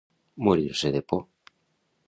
Morir-se de por.